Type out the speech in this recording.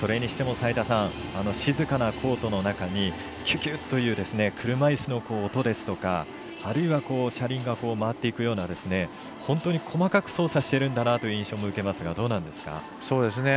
それにしても静かなコートの中にキュキュッという車いすの音ですとかあるいは車輪が回っていくような本当に細かく操作してるんだなという印象も受けますがどうなんでしょうか。